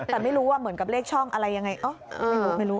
แต่ไม่รู้ว่าเหมือนกับเลขช่องอะไรยังไงไม่รู้ไม่รู้